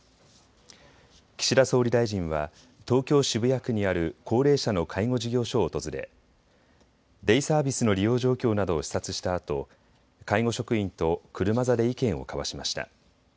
岸田総理大臣は東京渋谷区にある高齢者の介護事業所を訪れデイサービスの利用状況などを視察したあと介護職員と車座で意見を交わしました。